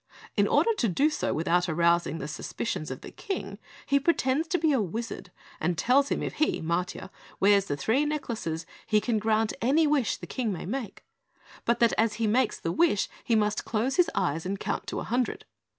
In order to do so without arousing the suspicions of the King, he pretends to be a Wizard and tells him if he, Matiah, wears the three necklaces, he can grant any wish the King may make, but that as he makes the wish he must close his eyes and count to a hundred.